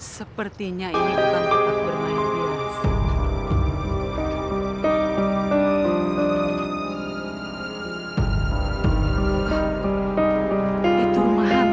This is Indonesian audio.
sepertinya ini tempat bermain